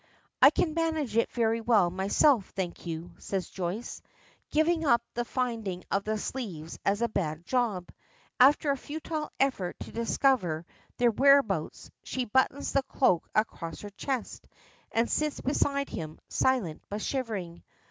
"I can manage it very well myself, thank you," says Joyce, giving up the finding of the sleeves as a bad job; after a futile effort to discover their whereabouts she buttons the cloak across her chest and sits beside him, silent but shivering.